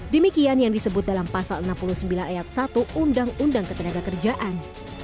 demikian yang disebut dalam pasal enam puluh sembilan ayat satu undang undang ketenaga kerjaan